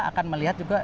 akan melihat juga